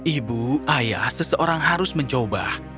ibu ayah seseorang harus mencoba